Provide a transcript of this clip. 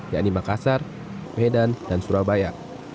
yakni makassar medan dan surabaya